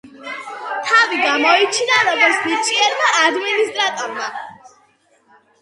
თავი გამოიჩინა, როგორც ნიჭიერმა ადმინისტრატორმა.